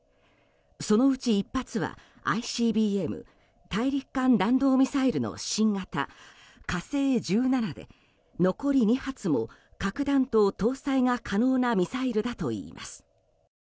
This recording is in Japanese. そのうち１発はＩＣＢＭ・大陸間弾道ミサイルの新型「火星１７」で残り２発も核弾頭搭載が可能なミサイルだといいます。